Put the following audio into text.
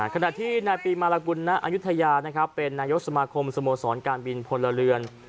ขณะที่นายปีมรกุณะอันยุธยาเป็นนายกสมาคมสโมสรการบินพลเรือน